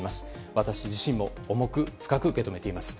私自身も重く深く受け止めています。